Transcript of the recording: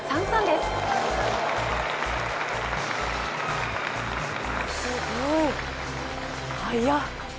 すごい速い。